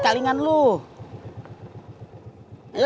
namasalnya menemukanmu gak ngerti